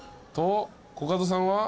コカドさんは？